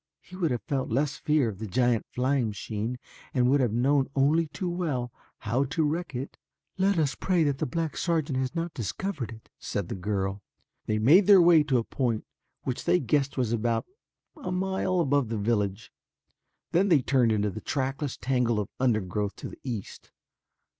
He would have felt less fear of the giant flying machine and would have known only too well how to wreck it." "Let us pray that the black sergeant has not discovered it," said the girl. They made their way to a point which they guessed was about a mile above the village, then they turned into the trackless tangle of undergrowth to the east.